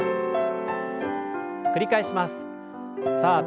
繰り返します。